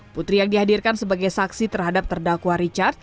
putri yang dihadirkan sebagai saksi terhadap terdakwa richard